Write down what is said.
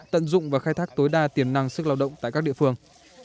tận dụng và khai thác tối đa tiềm năng sức lao động tại các địa phương